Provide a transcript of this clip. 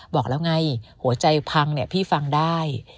บอกแล้วไงหัวใจพังพี่ฟังได้